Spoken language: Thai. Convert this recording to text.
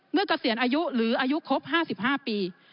เมื่อกระเสียนอายุหรืออายุครบ๕๕ปี